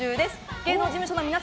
芸能事務所の皆様